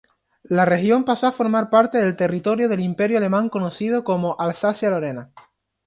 La región pasó a formar parte del territorio del Imperio Alemán conocido como Alsacia-Lorena.